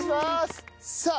さあ